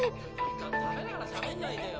食べながらしゃべんないでよ。